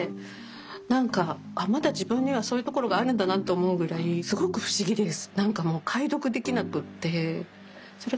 何かあまだ自分にはそういうところがあるんだなと思うぐらいすごく不思議です。